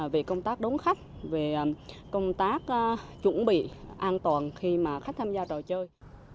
về công tác đón khách về công tác chuẩn bị an toàn khi mà khách tham gia trò chơi